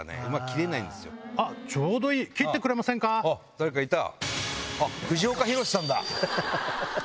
誰かいた？